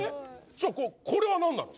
じゃあこれは何なの？